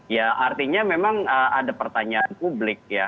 ya artinya memang ada pertanyaan publik ya